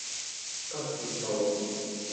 德輔道